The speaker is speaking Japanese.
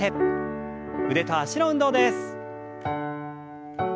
腕と脚の運動です。